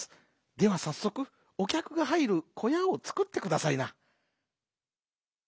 ではさっそくおきゃくがはいるこやをつくってくださいな」。